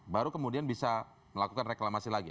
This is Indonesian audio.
baru kemudian bisa melakukan reklamasi lagi